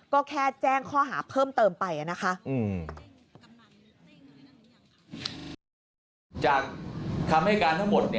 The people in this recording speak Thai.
ก็แค่แจ้งข้อหาเพิ่มเติมไปนะคะ